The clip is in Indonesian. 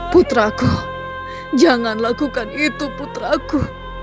putraku jangan lakukan itu putraku